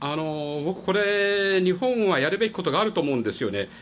これ、日本はやるべきことがあると思うんですよね。